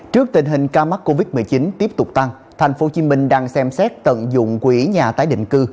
trước tình hình ca mắc covid một mươi chín tiếp tục tăng tp hcm đang xem xét tận dụng quỹ nhà tái định cư